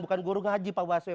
bukan guru ngaji pak waswe